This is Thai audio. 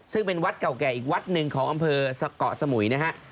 ซึ่งเป็นวัดเก่าแก่อีกวัดหนึ่งของอำเภอสะเกาะสมุยนะฮะ